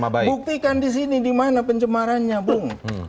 buktikan di sini di mana pencemarannya bung